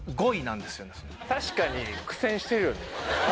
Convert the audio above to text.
確かに。